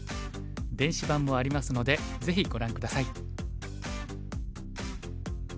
電子版もありますのでぜひご覧下さい。